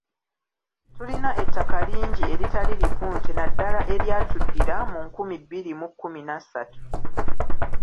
Tulina ettaka lingi eritali lipunte naddala eryatuddira mu nkumi bbiri mu kkumi na ssatu.